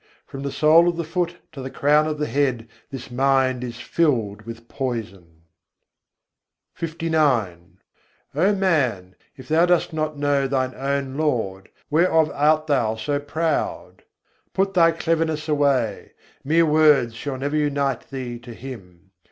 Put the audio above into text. From the sole of the foot to the crown of the head this mind is filled with poison." LIX I. 52. khasm na cînhai bâwari O man, if thou dost not know thine own Lord, whereof art thou so proud? Put thy cleverness away: mere words shall never unite thee to Him.